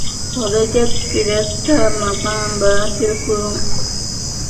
ޕްރޮޖެކްޓް ޑިރެކްޓަރ މަޤާމް ބާތިލްކުރުން